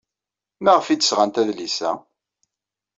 Maɣef ay d-sɣant adlis-a?